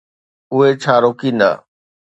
اهي ڇا روڪيندا؟